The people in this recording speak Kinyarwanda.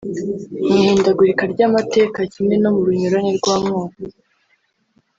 Mu ihindagurika ry’amateka kimwe no mu runyurane rw’amoko